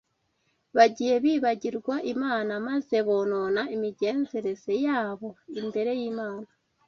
bagiye bibagirwa Imana, maze bonona imigenzereze yabo imbere y’Imana.